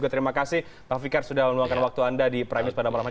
terima kasih pak fikar sudah meluangkan waktu anda di prime news pada malam hari ini